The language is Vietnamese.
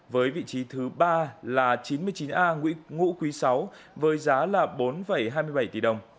với vị trí thứ ba là chín mươi chín a ngũ quý sáu với giá là bốn hai mươi bảy tỷ đồng